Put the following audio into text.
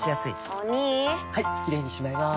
お兄はいキレイにしまいます！